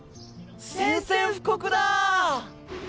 宣戦布告だ！